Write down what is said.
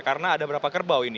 karena ada berapa kerbau